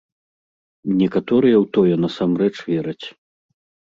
Некаторыя ў тое насамрэч вераць.